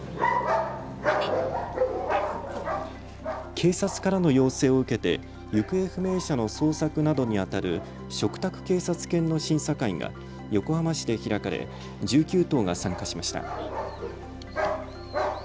警察からの要請を受けて行方不明者の捜索などにあたる嘱託警察犬の審査会が横浜市で開かれ１９頭が参加しました。